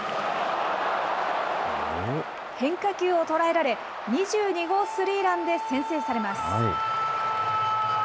変化球を捉えられ、２２号スリーランで先制されます。